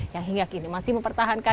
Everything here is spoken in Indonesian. yang hingga kini masih mempertahankan